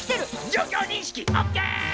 状況認識オッケー！